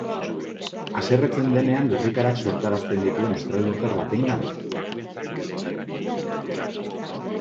Haserretzen denean lurrikarak sortarazten dituen estralurtar batengan?